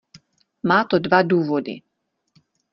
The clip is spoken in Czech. Má to dva důvody.